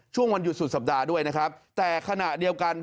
วันหยุดสุดสัปดาห์ด้วยนะครับแต่ขณะเดียวกัน